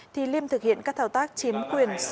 thì liêm thực hiện các thao tác chiếm quyền sử dụng tài chính